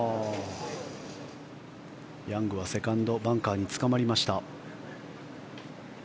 ヤングはセカンドバンカーにつかまりました。